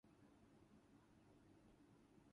The ringleaders were executed and others fined.